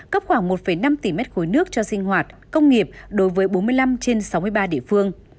cấp khoảng một năm tỷ mét khối nước cho sinh hoạt công nghiệp đối với bốn mươi năm trên sáu mươi ba địa phương